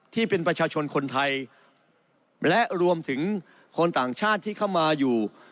ที่เป็นประชาชนคนไทยและรวมถึงคนต่างชาติที่เข้ามาอยู่